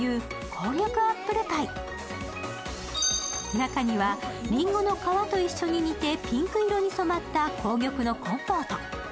中にはりんごの皮と一緒に煮てピンク色に染まった紅玉のコンポート。